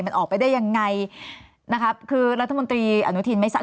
มันออกไปได้ยังไงนะครับคือรัฐมนตรีอนุทินไม่ทราบ